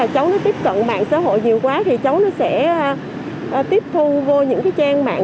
cháu nó tiếp cận mạng xã hội nhiều quá thì cháu nó sẽ tiếp thu vô những cái trang mạng